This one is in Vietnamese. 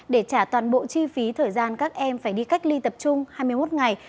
để trả toàn bộ chi phí thời gian các em phải đi cách ly tập trung hai mươi một ngày